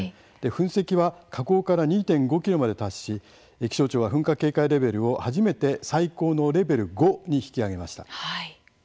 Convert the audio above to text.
噴石は、火口から２．５ｋｍまで達し、気象庁は噴火警戒レベルを初めて最高のレベル５に引き上げました。